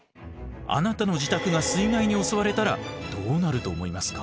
あなたの自宅が水害に襲われたらどうなると思いますか？